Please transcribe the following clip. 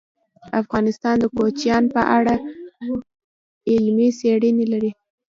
افغانستان د کوچیان په اړه علمي څېړنې لري.